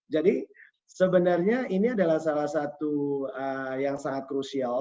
jadi sebenarnya ini adalah salah satu yang sangat crucial